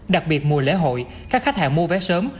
đặc biệt mùa lễ hội các khách hàng mua vé sớm